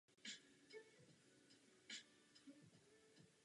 Mezi změny patří odstranění snímače otisků prstů a další.